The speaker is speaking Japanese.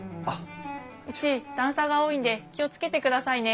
うち段差が多いんで気を付けてくださいね。